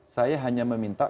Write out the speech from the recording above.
saya hanya meminta